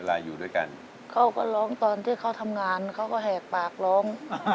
อยู่ด้วยกันเขาก็ร้องตอนที่เขาทำงานเขาก็แหกปากร้อง